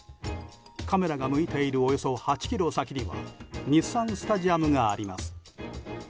カメラが向いているおよそ８ｋｍ先には日産スタジアムがあります。